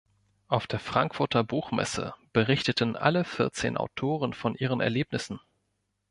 Auf der Frankfurter Buchmesse berichteten alle vierzehn Autoren von ihren Erlebnissen.